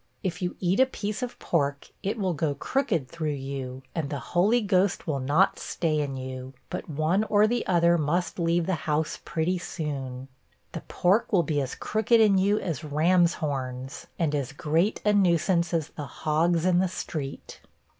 If you eat a piece of pork, it will go crooked through you, and the Holy Ghost will not stay in you, but one or the other must leave the house pretty soon. The pork will be as crooked in you as ram's horns, and as great a nuisance as the hogs in the street.